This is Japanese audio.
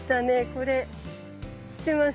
これ知ってます？